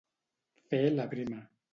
Fer la prima.